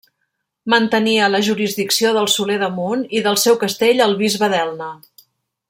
Mantenia la jurisdicció del Soler d'Amunt i del seu castell el bisbe d'Elna.